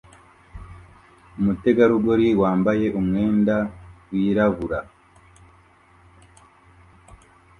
Umutegarugori wambaye umwenda wirabura